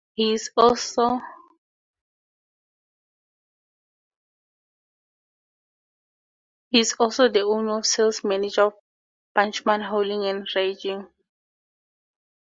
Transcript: He is also the owner and sales manager of Buchanan Hauling and Rigging.